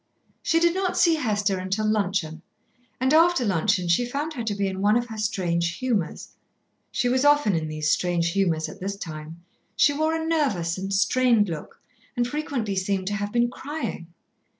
She did not see Hester until luncheon, and after luncheon she found her to be in one of her strange humours. She was often in these strange humours at this time. She wore a nervous and strained look, and frequently seemed to have been crying.